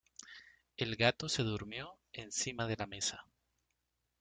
El gato se durmió encima de la mesa.